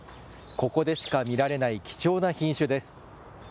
ここでしか見られない貴重な品種です。